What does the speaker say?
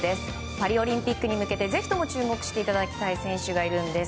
パリオリンピックに向けてぜひとも注目していただきたい選手がいるんです。